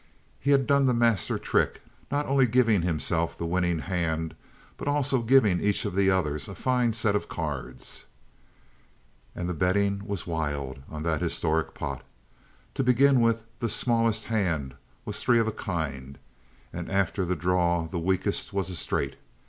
He had done the master trick, not only giving himself the winning hand but also giving each of the others a fine set of cards. And the betting was wild on that historic pot! To begin with the smallest hand was three of a kind; and after the draw the weakest was a straight.